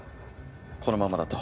このままだと。